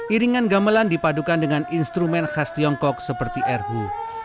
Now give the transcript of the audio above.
iringan gamelan dipadukan dengan instrumen khas tiongkok seperti erhu